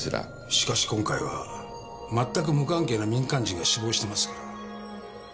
しかし今回はまったく無関係な民間人が死亡してますから。